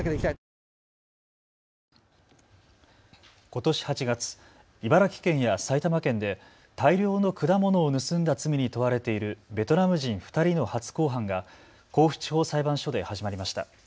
ことし８月、茨城県や埼玉県で大量の果物を盗んだ罪に問われているベトナム人２人の初公判が甲府地方裁判所で始まりました。